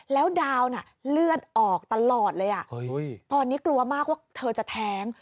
แล้วดาวน่ะเลือดออกตลอดเลยตอนนี้กลัวมากว่าเธอจะแท้ง